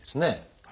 はい。